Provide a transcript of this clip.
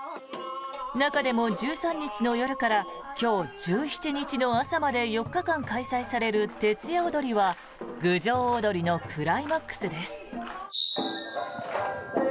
中でも１３日の夜から今日１７日の朝まで４日間開催される徹夜おどりは郡上おどりのクライマックスです。